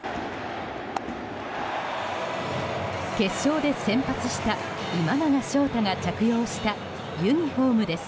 決勝で先発した今永昇太が着用したユニホームです。